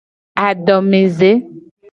Adomeze.